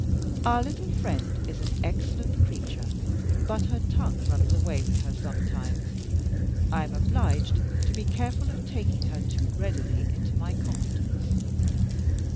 Our little friend is an excellent creature, but her tongue runs away with her sometimes; I am obliged to be careful of taking her too readily into my confidence.